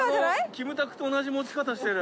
キムタクと同じ持ち方してる。